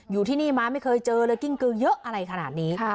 อยู่ที่นี่มาไม่เคยเจอเลยกิ้งกือเยอะอะไรขนาดนี้